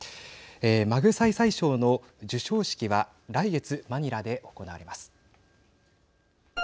マグサイサイ賞の授賞式は来月、マニラで行われます。